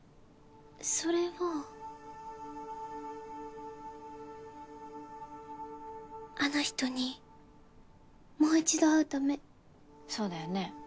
それはあの人にもう一度会うためそうだよね